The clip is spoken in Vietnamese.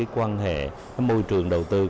quan hệ môi trường đầu tư